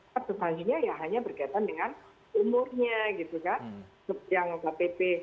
persebaginya ya hanya berkaitan dengan umurnya gitu kan yang kpp